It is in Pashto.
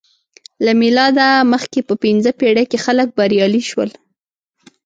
له میلاده مخکې په پنځمه پېړۍ کې خلک بریالي شول